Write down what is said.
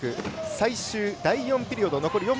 最終第４ピリオド。